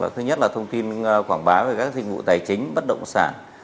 thứ nhất là thông tin quảng bá về các dịch vụ tài chính bất động sản